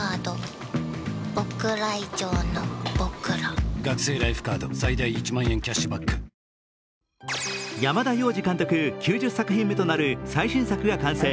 三井不動産山田洋次監督９０作品目となる最新作が完成。